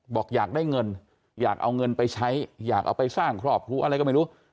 บอกอยากได้เงินอยากเอาเงินไปใช้อยากเอาไปสร้างครอบครัวอะไรก็ไม่รู้